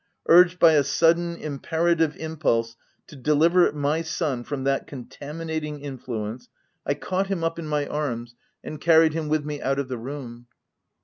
Urged by a sudden, imperative impulse to deliver my son from that contaminating influence, I caught him up in OP WILDFELL HALL. 339 my arms and carried him with me out of the room.